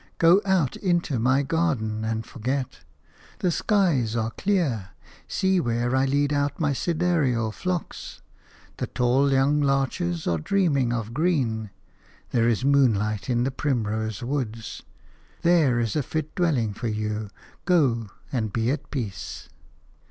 Go out into my garden and forget. The skies are clear; see where I lead out my sidereal flocks! The tall young larches are dreaming of green; there is moonlight in the primrose woods. There is a fit dwelling for you; go, and be at peace."